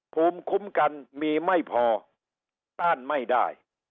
ภูมิคุ้มกันมีไม่พอต้านไม่ได้